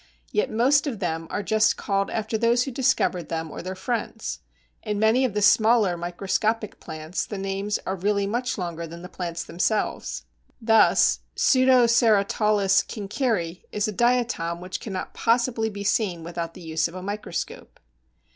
Yet most of them are just called after those who discovered them, or their friends. In many of the smaller microscopic plants the names are really much longer than the plants themselves. Thus Pseudocerataulus Kinkeri is a diatom which cannot possibly be seen without the use of a microscope.